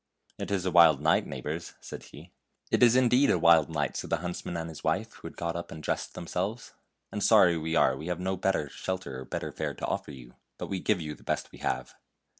" It is a wild night, neighbors," said he. " It is, indeed, a wild night," said the hunts man and his wife, who had got up and dressed themselves ;" and sorry we are we have no bet ter shelter or better fare to offer you, but we give you the best we have."